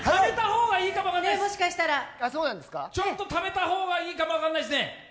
ちょっとためた方がいいかも分かんないですね。